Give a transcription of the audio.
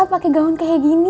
pake gaun kayak gini